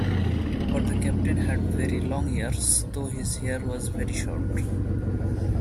But the Captain had very long ears — though his hair was very short.